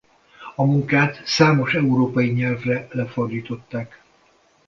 A munkát számos európai nyelvre lefordították.